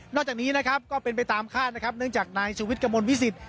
นอกจากนี้ก็เป็นไปตามคาดเนื่องจากนายชุวิชกำมวลวิสิต